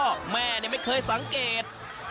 พ่อแม่เนี่ยไม่เคยสังเกต